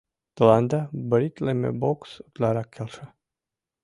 — Тыланда бритлыме бокс утларак келша.